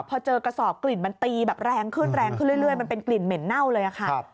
พอเจอกระสอบกลิ่นมันตีแบบแรงขึ้นแรงขึ้นเรื่อยมันเป็นกลิ่นเหม็นเน่าเลยค่ะ